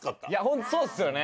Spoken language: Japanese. ホントそうですよね。